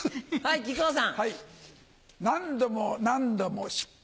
木久扇さん